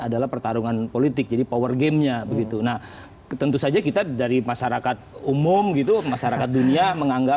adalah pertarungan politik jadinya power gamenya begitu nah ke tentu saja kita dari masyarakat umum